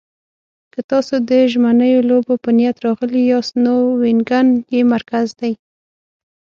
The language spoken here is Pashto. که تاسو د ژمنیو لوبو په نیت راغلي یاست، نو وینګن یې مرکز دی.